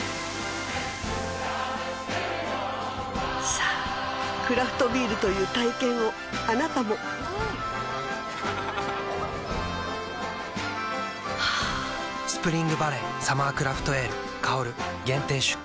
さぁクラフトビールという体験をあなたも「スプリングバレーサマークラフトエール香」限定出荷